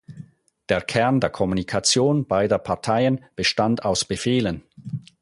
Der Kern der Kommunikation beider Parteien bestand aus Befehlen.